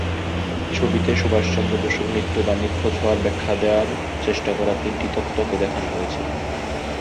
ছবিতে সুভাষ চন্দ্র বসুর মৃত্যু বা নিখোঁজ হওয়ার ব্যাখ্যা দেওয়ার চেষ্টা করা তিনটি তত্ত্বকে দেখানো হয়েছে।